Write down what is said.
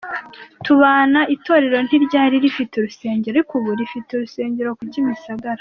Tubana, Itorero ntiryari rifite Urusengero, ariko ubu rifite urusengero ku Kimisagara.